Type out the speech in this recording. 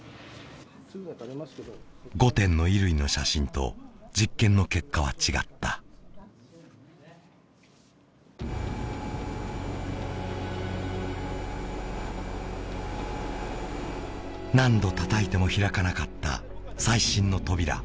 ５点の衣類の写真と実験の結果は違った何度たたいても開かなかった再審の扉